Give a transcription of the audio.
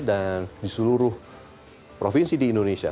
dan di seluruh provinsi di indonesia